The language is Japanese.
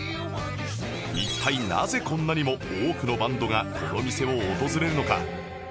一体なぜこんなにも多くのバンドがこの店を訪れるのか？